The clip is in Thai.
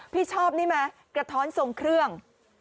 พี่ชอบนี่ไหมกระท้อนทรงเครื่อง